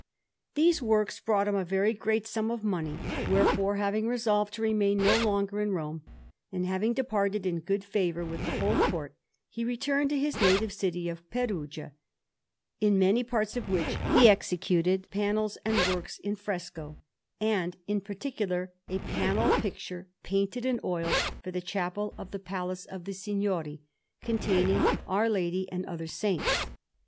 These works brought him a very great sum of money; wherefore, having resolved to remain no longer in Rome, and having departed in good favour with the whole Court, he returned to his native city of Perugia, in many parts of which he executed panels and works in fresco; and, in particular, a panel picture painted in oils for the Chapel of the Palace of the Signori, containing Our Lady and other saints.